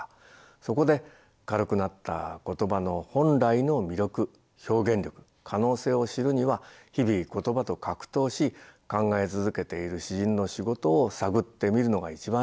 そこで軽くなった言葉の本来の魅力表現力可能性を知るには日々言葉と格闘し考え続けている詩人の仕事を探ってみるのが一番いい。